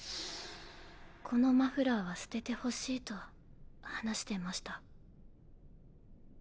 このマフラーは捨ててほしいと話してました。